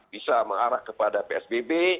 bisa mengarah kepada psbb